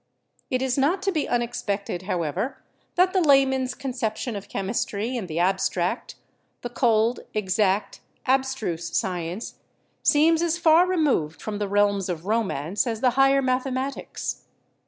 It is not to be unexpected, however, that the layman's conception of chemistry in the abstract — the cold, exact, abstruse science — seems as far removed from the realms of romance as the higher mathematics.